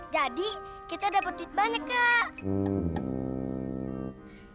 jadi kita dapat duit banyak kak